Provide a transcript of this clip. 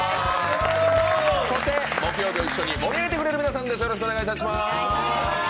そして木曜日を一緒に盛り上げてくれる皆さんです。